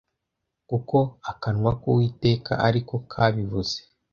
kuko akanwa k’Uwiteka ari ko kabivuze